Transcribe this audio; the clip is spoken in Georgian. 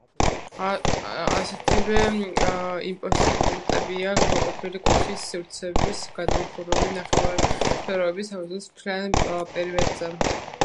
ასეთივე იმპოსტებია გამოყოფილი კუთხის სივრცეების გადამხურავი ნახევარსფეროების საფუძვლის მთელ პერიმეტრზე.